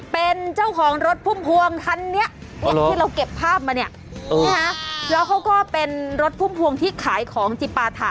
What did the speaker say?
เป็นเจ้าของรถพุ่มพวงคันนี้ที่เราเก็บภาพมาเนี่ยแล้วเขาก็เป็นรถพุ่มพวงที่ขายของจิปาถะ